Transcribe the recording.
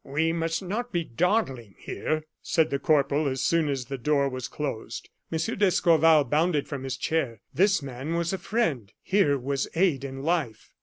"We must not be dawdling here," said the corporal, as soon as the door was closed. M. d'Escorval bounded from his chair. This man was a friend. Here was aid and life.